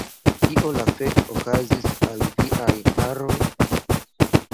Kio la fek' okazis al viaj haroj